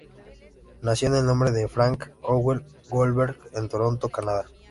Nació con el nombre de Frank Owen Goldberg en Toronto, Canadá.